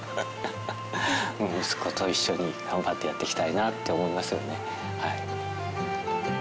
息子と一緒に頑張ってやっていきたいなと思いますよねはい。